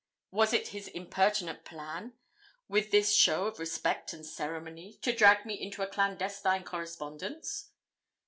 Was it his impertinent plan, with this show of respect and ceremony, to drag me into a clandestine correspondence?